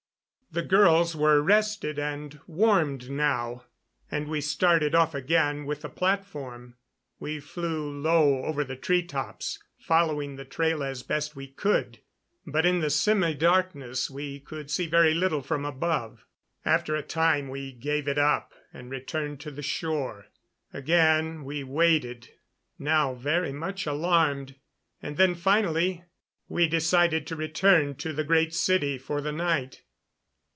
The girls were rested and warmed now, and we started off again with the platform. We flew low over the treetops, following the trail as best we could, but in the semi darkness we could see very little from above. After a time we gave it up and returned to the shore. Again we waited, now very much alarmed. And then finally we decided to return to the Great City for the night.